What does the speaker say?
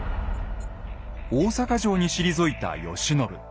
大坂城に退いた慶喜。